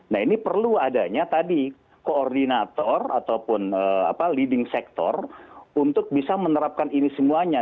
nah ini perlu adanya tadi koordinator ataupun leading sector untuk bisa menerapkan ini semuanya